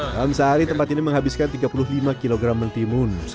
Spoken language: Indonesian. dalam sehari tempat ini menghabiskan tiga puluh lima kg mentimun